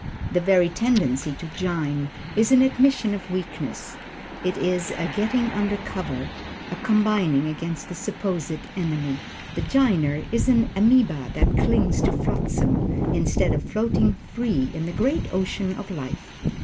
The very tendency to "jine" is an admission of weakness it is a getting under cover, a combining against the supposed enemy. The "jiner" is an ameba that clings to flotsam, instead of floating free in the great ocean of life.